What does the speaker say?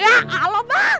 ya allah bang